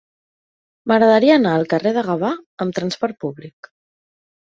M'agradaria anar al carrer de Gavà amb trasport públic.